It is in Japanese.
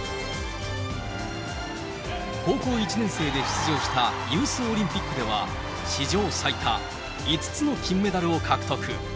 高校１年生で出場したユースオリンピックでは、史上最多５つの金メダルを獲得。